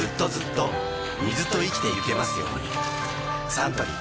サントリー